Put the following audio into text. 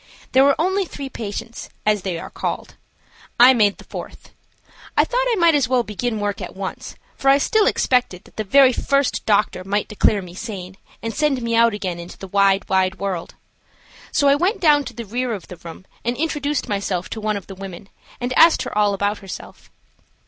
There were only three patients, as they are called. I made the fourth. I thought I might as well begin work at once, for I still expected that the very first doctor might declare me sane and send me out again into the wide, wide world. So I went down to the rear of the room and introduced myself to one of the women, and asked her all about herself.